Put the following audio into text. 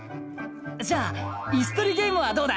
じゃあイスとりゲームはどうだ？